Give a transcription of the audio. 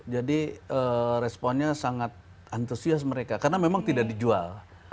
jadi responnya sangat antusias mereka karena memang tidak dijual